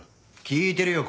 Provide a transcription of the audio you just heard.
聞いてるよ